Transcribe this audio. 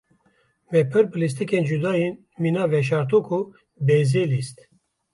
Me pir bi lîstikên cuda yên mîna veşartok û bezê lîst.